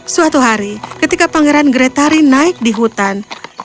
suatu hari ketika pangeran gretari naik di hutan